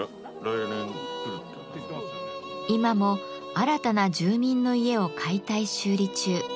今も新たな住民の家を解体修理中。